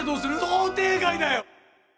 想定外だよ。